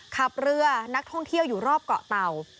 ขับเรือนักท่องเที่ยวอยู่รอบเกาะเต่า